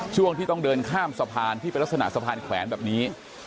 ช่วงที่ต้องเดินข้ามสะพานที่เป็นลักษณะสะพานแขวนแบบนี้